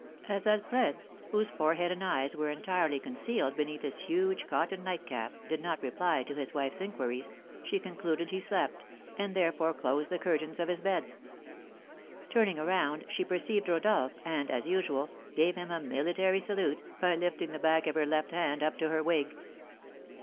As Alfred, whose forehead and eyes were entirely concealed beneath his huge cotton nightcap, did not reply to his wife's inquiries, she concluded he slept, and therefore closed the curtains of his bed. Turning around, she perceived Rodolph, and, as usual, gave him a military salute, by lifting the back of her left hand up to her wig.